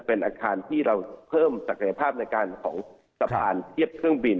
เป็นอาคารที่เราเพิ่มศักยภาพในการของสะพานเทียบเครื่องบิน